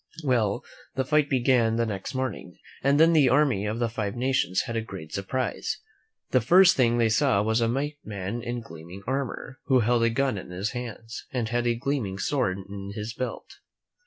Well, the fight began the next morning, and then the army of the Five Nations had a great surprise. The first thing they saw was a white man in gleaming armor, who held a gun in his hands, and had a gleaming sword in his belt.